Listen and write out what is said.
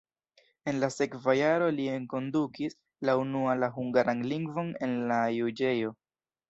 En la sekva jaro li enkondukis la unua la hungaran lingvon en la juĝejo.